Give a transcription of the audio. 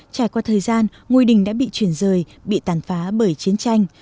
trải qua thời gian ngôi đình đã bị chuyển rời bị tàn phá bởi chiến tranh